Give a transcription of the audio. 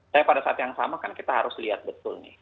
tapi pada saat yang sama kan kita harus lihat betul nih